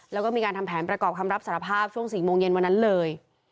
แล้วก็มีการทำแผนประกอบคำรับสารภาพช่วง๔โมงเย็นวันนั้นเลย